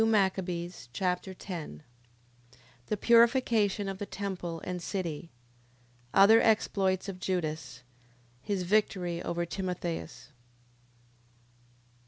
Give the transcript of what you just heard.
2 Machabees Chapter 10 The purification of the temple and city. Other exploits of Judas. His victory over Timotheus.